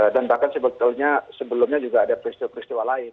dan bahkan sebetulnya sebelumnya juga ada peristiwa peristiwa lain